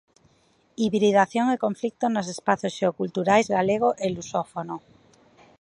Hibridación e conflito nos espazos xeoculturais galego e lusófono.